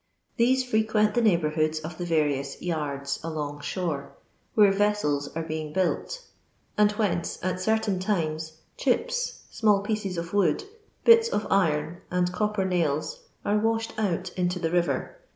These frequent the neighbourhoods of the varioua " yards" along shore, where ressels are being built ; and whence, at certain times, chips, small pieces of wood, bits of iron, and copper nails, are washed out into the river.